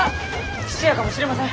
質屋かもしれません！